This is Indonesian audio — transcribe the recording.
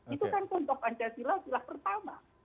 itu kan untuk pancasila pilih pertama